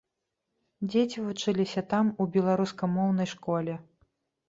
Дзеці вучыліся там у беларускамоўнай школе.